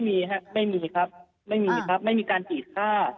ไม่มีครับไม่มีครับไม่มีการขีดค่า